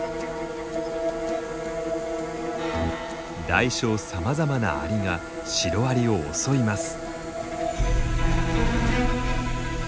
大小さまざまなアリがシロアリを襲います。